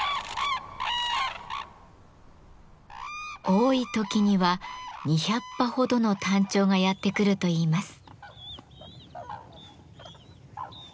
多い時には２００羽ほどのタンチョウがやって来るといいます。